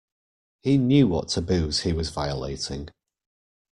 He knew what taboos he was violating.